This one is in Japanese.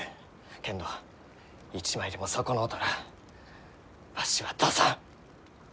けんど一枚でも損のうたらわしは出さん！